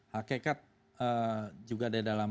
hakekat juga ada dalam